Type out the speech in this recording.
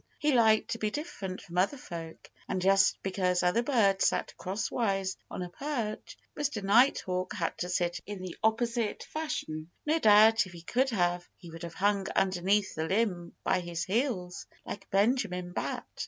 He liked to be different from other folk. And just because other birds sat crosswise on a perch, Mr. Nighthawk had to sit in exactly the opposite fashion. No doubt if he could have, he would have hung underneath the limb by his heels, like Benjamin Bat.